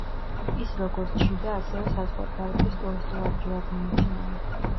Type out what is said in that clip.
ის როგორც შიდა ასევე საზღვარგარეთის ტურისტულ ადგილად მიიჩნევა.